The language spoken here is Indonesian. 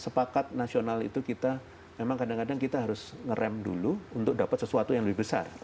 sepakat nasional itu kita memang kadang kadang kita harus ngerem dulu untuk dapat sesuatu yang lebih besar